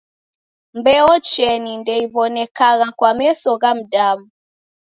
Mbeo cheni ndeiw'onekagha kwa meso gha mdamu.